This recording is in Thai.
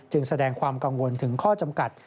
แสดงความกังวลถึงข้อจำกัด